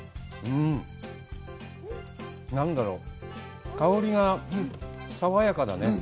何だろう、香りが爽やかだね。